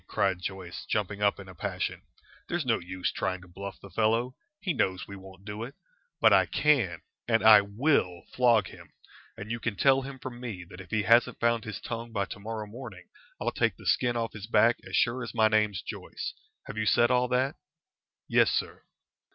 cried Joyce, jumping up in a passion. "There's no use trying to bluff the fellow. He knows we won't do it. But I can and I will flog him, and you can tell him from me that if he hasn't found his tongue by to morrow morning I'll take the skin off his back as sure as my name's Joyce. Have you said all that?" "Yes, sir."